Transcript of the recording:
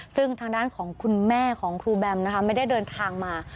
ซึ่งทางด้านของคุณแม่ของครูแบมนะคะไม่ได้เดินทางมา